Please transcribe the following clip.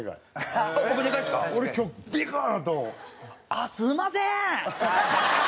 ああすみません！